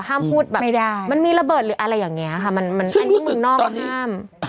ห้ามพูดแบบมันมีระเบิดหรืออะไรอย่างนี้ค่ะอันนี้เมืองนอกมันห้ามไม่ได้